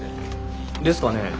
ですかねえ。